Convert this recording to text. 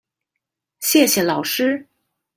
謝謝老師